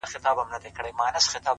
بریا د هڅو مېوه ده